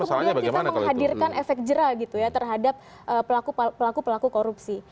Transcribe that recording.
kemudian kita menghadirkan efek jerah gitu ya terhadap pelaku pelaku korupsi